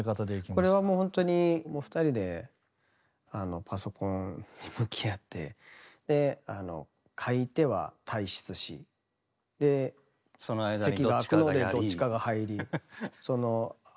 これはもうほんとに２人でパソコンに向き合ってであの書いては退室しで席が空くのでどっちかが入りその空いてるところを埋め。